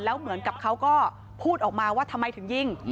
แล้วเหมือนกับเขาก็พูดออกมาว่าทำไมถึงยิง